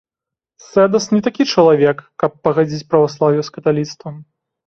Сэдас не такі чалавек, каб пагадзіць праваслаўе з каталіцтвам.